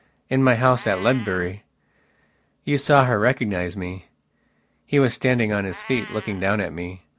In my house at Ledbury. You saw her recognize me." He was standing on his feet, looking down at me.